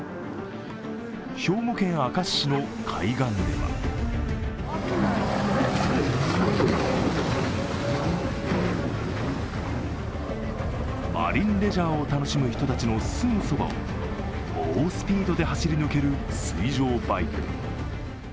兵庫県明石市の海岸ではマリンレジャーを楽しむ人たちのすぐそばを猛スピードで走り抜ける水上バイク。